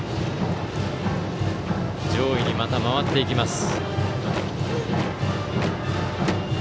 上位にまた回っていきます。